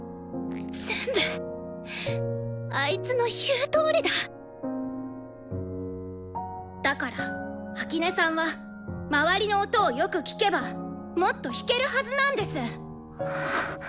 全部あいつの言うとおりだだから秋音さんは周りの音をよく聴けばもっと弾けるはずなんです。